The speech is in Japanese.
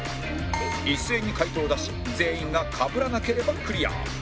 一斉に回答を出し全員がかぶらなければクリア